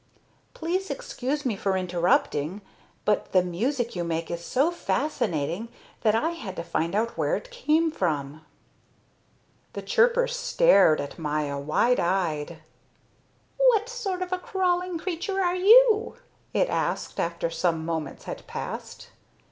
"Please excuse me for interrupting, but the music you make is so fascinating that I had to find out where it came from." The chirper stared at Maya, wide eyed. "What sort of a crawling creature are you?" it asked after some moments had passed.